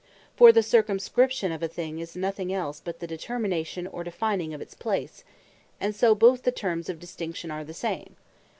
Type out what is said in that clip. For the Circumscription of a thing, is nothing else but the Determination, or Defining of its Place; and so both the Terms of the Distinction are the same.